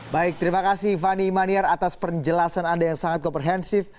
baik terima kasih fani maniar atas penjelasan anda yang sangat komprehensif